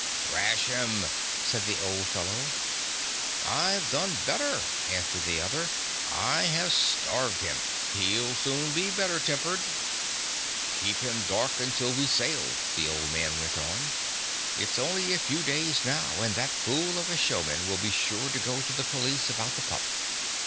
" Thrash him," said the old fellow. "I 've done better," answered the other. "I have starved him. He 'll soon be better tem pered." 28 THE DOG MEETS A FRIEND u Keep him dark until we sail/' the old man went on. " It 's only a few days now, and that fool of a showman will be sure to go to the police about the pup."